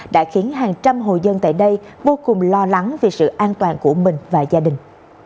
đã khiến hàng trăm hội dân tại đây vô cùng lo lắng về sự an toàn của mình và gia đình